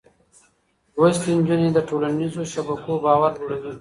لوستې نجونې د ټولنيزو شبکو باور لوړوي.